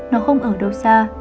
nó không ở đâu xa